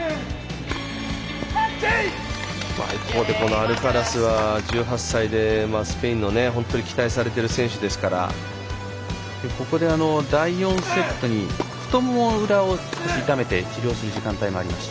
アルカラスは１８歳でスペインの本当に期待されている選手ですからここで、第４セットに太ももの裏を痛めて治療する時間帯もありました。